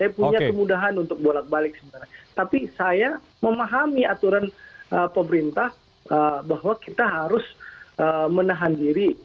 saya punya kemudahan untuk bolak balik sebenarnya tapi saya memahami aturan pemerintah bahwa kita harus menahan diri